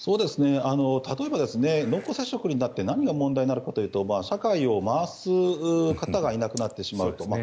例えば、濃厚接触になって何が問題になるかというと社会を回す方がいなくなってしまうと。